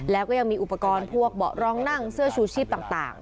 แล้วก็ยังมีอุปกรณ์พวกเบาะร้องนั่งเสื้อชูชีพต่าง